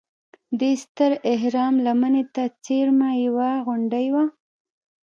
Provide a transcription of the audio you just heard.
دې ستر اهرام لمنې ته څېرمه یوه غونډه وه.